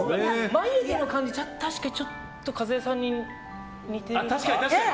眉毛の感じは確かにちょっと一恵さんに似てるかも。